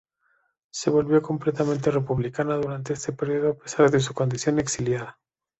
Se volvió completamente republicana durante este período, a pesar de su condición de exiliada.